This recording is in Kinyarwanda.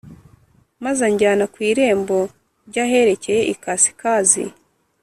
Maze anjyana ku irembo ry aherekeye ikasikazi